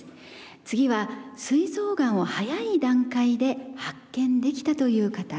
次はすい臓がんを早い段階で発見できたという方ご紹介します。